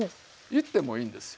言ってもいいんですよ。